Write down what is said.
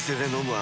あ！